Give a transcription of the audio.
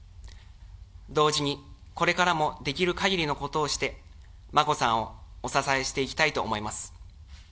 同時にこれからもできるかぎりのことをして、眞子さんをお支えしていきたいと思います。